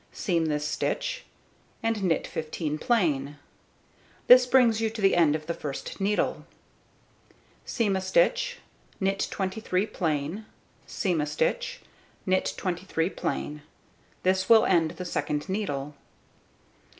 Seam this stitch, and knit 15 plain. This brings you to the end of the first needle. Seam a stitch, knit 23 plain, seam a stitch, knit 23 plain. This will end the second needle.